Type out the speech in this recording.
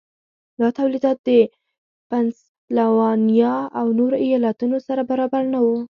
دا تولیدات د پنسلوانیا او نورو ایالتونو سره برابر نه وو.